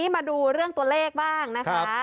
มาดูเรื่องตัวเลขบ้างนะคะ